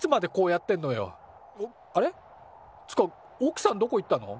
っつかおくさんどこ行ったの？